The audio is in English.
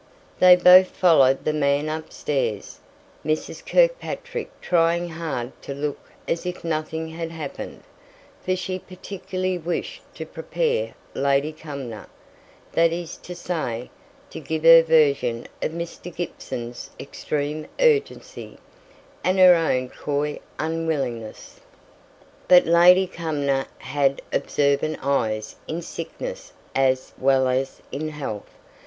They both followed the man upstairs; Mrs. Kirkpatrick trying hard to look as if nothing had happened, for she particularly wished "to prepare" Lady Cumnor; that is to say, to give her version of Mr. Gibson's extreme urgency, and her own coy unwillingness. But Lady Cumnor had observant eyes in sickness as well as in health.